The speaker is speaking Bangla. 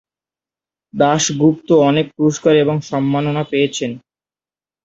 দাশগুপ্ত অনেক পুরস্কার এবং সম্মান পেয়েছেন।